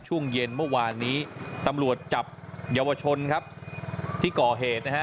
ช่วงเย็นเมื่อวานนี้ตำรวจจับเยาวชนครับที่ก่อเหตุนะฮะ